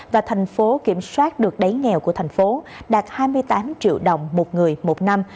và thành phố kiểm soát được đáy nghèo của thành phố đạt hai mươi tám triệu đồng một người một năm